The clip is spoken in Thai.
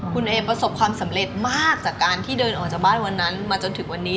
คุณเอประสบความสำเร็จมากจากการที่เดินออกจากบ้านวันนั้นมาจนถึงวันนี้